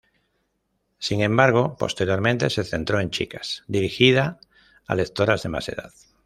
Sin embargo, posteriormente se centró en "Chicas", dirigida a lectoras de más edad.